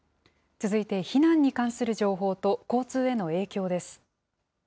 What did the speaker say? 続いて避難に関する情報と交通への影響です。